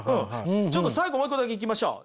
ちょっと最後もう一個だけいきましょう。